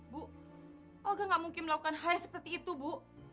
bu ohga gak mungkin melakukan hal yang seperti itu bu